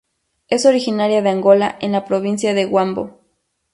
Es originaria de Angola en la Provincia de Huambo.